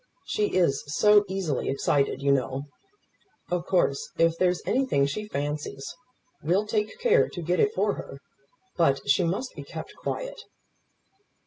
She is so easily excited, you know. Of course, if there's anything she fancies, we'll take care to get it for her; but she must be kept quiet."